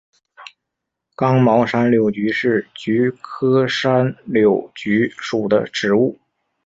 刚毛山柳菊是菊科山柳菊属的植物。